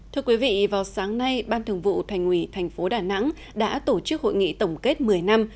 thưa quý vị vào sáng nay ban thường vụ thành ủy thành phố đà nẵng đã tổ chức hội nghị tổng kết một mươi năm